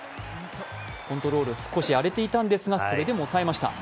コントロール、少しあれていたんですがそれでも抑えました。